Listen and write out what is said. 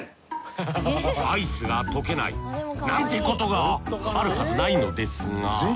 アイスがとけないなんてことがあるはずないのですが。